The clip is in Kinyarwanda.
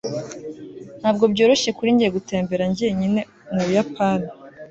ntabwo byoroshye kuri njye gutembera njyenyine mubuyapani